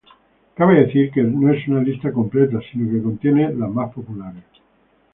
Cabe decir que no es una lista completa, sino que contiene las más populares.